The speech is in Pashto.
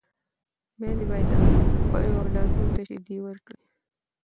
میندې باید خپلو اولادونو ته شیدې ورکړي.